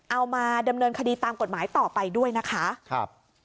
เอามาดำเนินคดีตามกฎหมายต่อไปด้วยนะคะครับ